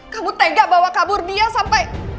kamu tega bawa kabur dia sampai